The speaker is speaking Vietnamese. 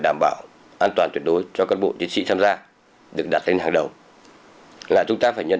đảm bảo an toàn tuyệt đối cho các bộ chiến sĩ tham gia được đặt lên hàng đầu là chúng ta phải nhận